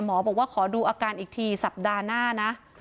หมอบอกว่าขอดูอาการอีกทีสัปดาห์หน้านะ